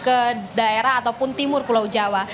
ke daerah ataupun timur pulau jawa